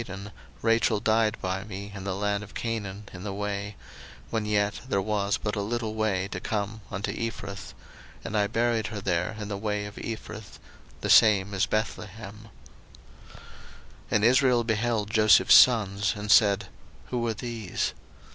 01:048:007 And as for me, when I came from Padan, Rachel died by me in the land of Canaan in the way, when yet there was but a little way to come unto Ephrath: and I buried her there in the way of Ephrath; the same is Bethlehem. 01:048:008 And Israel beheld Joseph's sons, and said, Who are these?